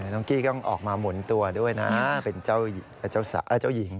น้องกี้ต้องออกมาหมุนตัวด้วยนะเป็นเจ้าหญิง